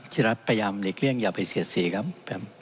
ที่รัฐพยายามหลีกเลี่ยงอย่าไปเสียดสีครับ